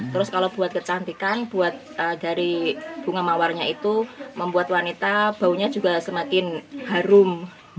terus kalau buat kecantikan buat dari bunga mawarnya itu membuat wanita baunya juga semakin harum